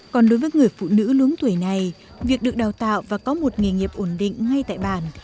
còn đối với người phụ nữ lớn tuổi này việc được đào tạo và có một nghề nghiệp ổn định ngay tại bản